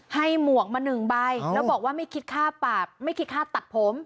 ให้หมวกมาหนึ่งใบแล้วบอกว่าไม่คิดค่าตัดผม